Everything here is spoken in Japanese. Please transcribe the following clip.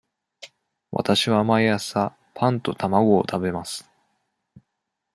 わたしは毎朝パンと卵を食べます。